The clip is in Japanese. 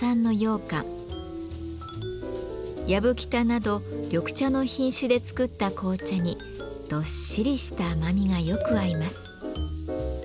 やぶきたなど緑茶の品種で作った紅茶にどっしりした甘みがよく合います。